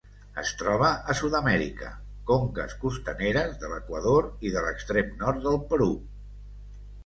Es troba a Sud-amèrica: conques costaneres de l'Equador i de l'extrem nord del Perú.